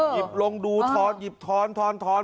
หยิบลงดูทอนหยิบทอนทอน